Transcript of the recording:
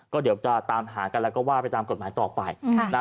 ก็เดี๋ยวจะตามหากันแล้วก็ว่าไปตามกฎหมายต่อไปนะ